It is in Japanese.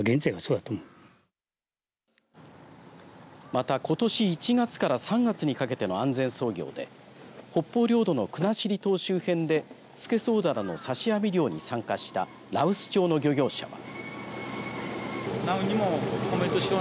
また、ことし１月から３月にかけての安全操業で北方領土の国後島周辺でスケソウダラの刺し網漁に参加した羅臼町の漁業者は。